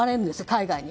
海外に。